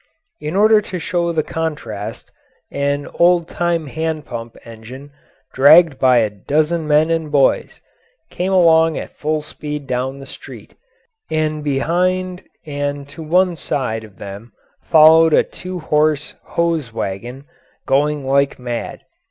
In order to show the contrast, an old time hand pump engine, dragged by a dozen men and boys, came along at full speed down the street, and behind and to one side of them followed a two horse hose wagon, going like mad.